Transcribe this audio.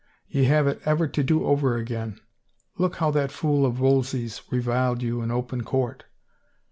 " Ye have it ever to do over again. Look how that fool of Wolsey's reviled you in open court